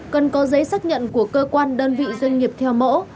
cần có giấy xác nhận của cơ quan đơn vị doanh nghiệp theo mẫu